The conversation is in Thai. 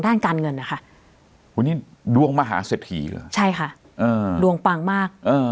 ด้านการเงินนะคะวันนี้รวงมหาเสร็จถีหรือใช่ค่ะเอ่อรวงปังมากเอ่อ